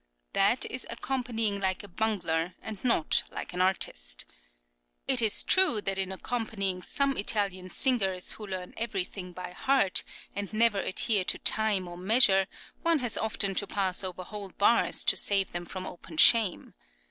That is accompanying like a bungler, not like an artist. It is true that in accompanying some Italian singers, who learn everything by heart and never adhere to time or measure, one has often to pass over whole bars to save them from open shame.